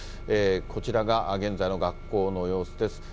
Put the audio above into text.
こちらが現在の学校の様子です。